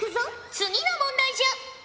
次の問題じゃ。